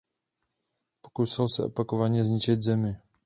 Pokusil se opakovaně zničit Zemi.